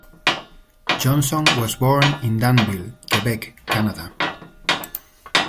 Johnson was born in Danville, Quebec, Canada.